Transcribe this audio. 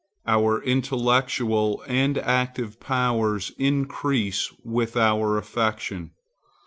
Our intellectual and active powers increase with our affection.